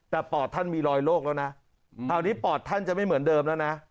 แต่ปอดท่านมีรอยโรคแล้วนะคราวนี้ปอดท่านจะไม่เหมือนเดิมแล้วนะ